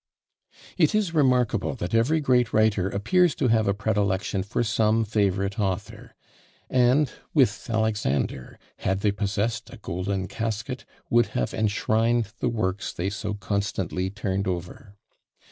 It is remarkable that every great writer appears to have a predilection for some favourite author; and, with Alexander, had they possessed a golden casket, would have enshrined the works they so constantly turned over.